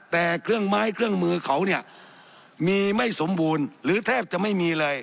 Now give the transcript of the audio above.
แต่เครื่องไม้เครื่องมือเขาเนี่ยมีไม่สมบูรณ์หรือแทบจะไม่มีเลย